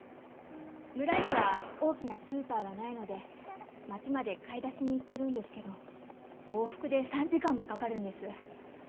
村には大きなスーパーがないので町まで買い出しに行ってるんですけど往復で３時間もかかるんです。